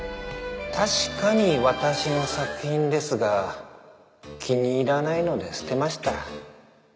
確かに私の作品ですが気に入らないので捨てました。